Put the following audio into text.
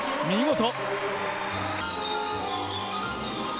見事！